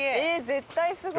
絶対すごい。